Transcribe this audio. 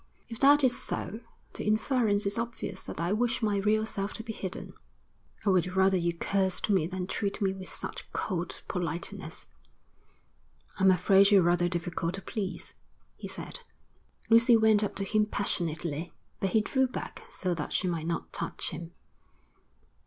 'If that is so, the inference is obvious that I wish my real self to be hidden.' 'I would rather you cursed me than treat me with such cold politeness.' 'I'm afraid you're rather difficult to please,' he said. Lucy went up to him passionately, but he drew back so that she might not touch him.